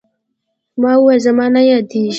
ما وويل زما نه يادېږي.